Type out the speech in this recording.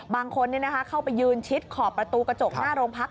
บางคนเข้าไปยืนชิดขอบประตูกระจกหน้าโรงพัก